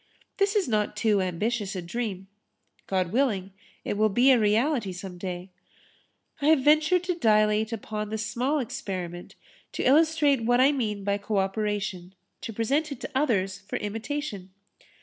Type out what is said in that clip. This is not too ambitious a dream. God willing, it will be a reality some day. I have ventured to dilate upon the small experiment to illustrate what I mean by co operation to present it to others for imitation.